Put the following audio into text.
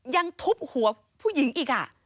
ยังทุบหัวผู้หญิงอีก